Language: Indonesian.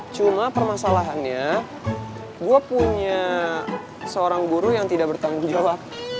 cuma permasalahannya gue punya seorang guru yang tidak bertanggung jawab